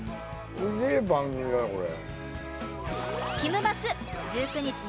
ずげえ番組だな、これ。